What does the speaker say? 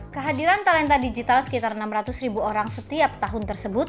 kehadiran talenta digital sekitar enam ratus ribu orang setiap tahun tersebut